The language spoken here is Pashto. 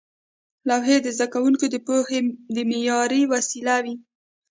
لوحې د زده کوونکو د پوهې د معیار وسیله وې.